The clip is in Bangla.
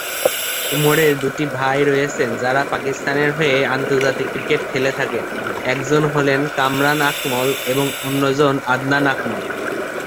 উমরের দুটি ভাই রয়েছেন যারা পাকিস্তানের হয়ে আন্তর্জাতিক ক্রিকেট খেলে থাকেন; একজন হলেন কামরান আকমল এবং অন্যজন আদনান আকমল।